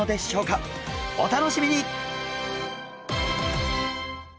お楽しみに！